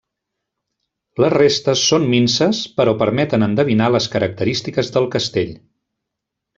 Les restes són minses però permeten endevinar les característiques del castell.